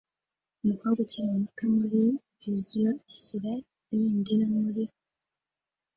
umukobwa ukiri muto muri visor ashyira ibendera muri styrofoam